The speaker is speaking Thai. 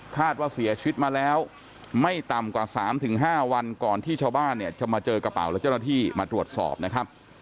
ว่าเสียชีวิตมาแล้วไม่ต่ำกว่า๓๕วันก่อนที่ชาวบ้านเนี่ยจะมาเจอกระเป๋าและเจ้าหน้าที่มาตรวจสอบนะครับ